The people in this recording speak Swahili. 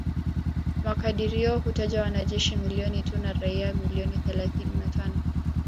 Makadirio hutaja wanajeshi milioni tu na raia milioni thelathini na tano